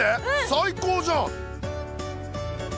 最高じゃん！